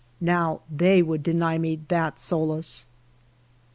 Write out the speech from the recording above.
Now they would deny me that solace